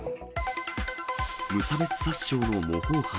無差別殺傷の模倣犯。